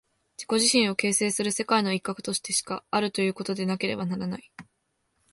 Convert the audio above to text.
自己自身を形成する世界の一角としてしかあるということでなければならない。